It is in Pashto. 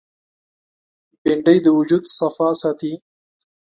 بېنډۍ د وجود صفا ساتي